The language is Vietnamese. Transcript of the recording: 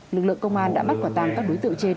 lực lượng công an đã bắt quả tàng các đối tượng trên